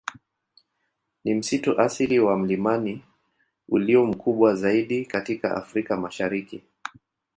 Ni msitu asili wa milimani ulio mkubwa zaidi katika Afrika Mashariki.